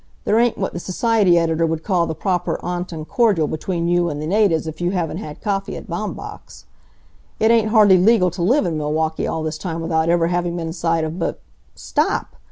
There ain't what the s'ciety editor would call the proper ontong cordyal between you and the natives if you haven't had coffee at Baumbach's. It ain't hardly legal t' live in Milwaukee all this time without ever having been inside of B " "Stop!